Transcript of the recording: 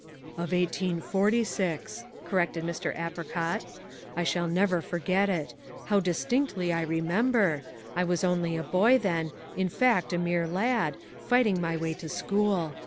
"Of eighteen forty six," corrected Mr. Apricot. "I shall never forget it. How distinctly I remember, I was only a boy then, in fact a mere lad, fighting my way to school.